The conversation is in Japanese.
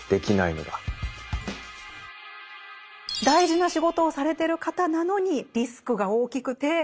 大事な仕事をされてる方なのにリスクが大きくて。